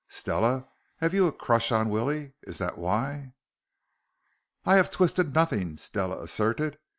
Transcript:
Stella, have you a crush on Willie? Is that why " "I have twisted nothing," Stella asserted.